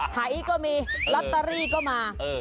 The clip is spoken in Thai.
หายก็มีลอตเตอรี่ก็มา